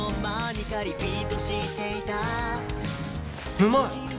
うまい！